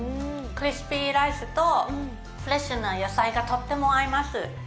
クリスピーライスと、フレッシュな野菜がとっても合います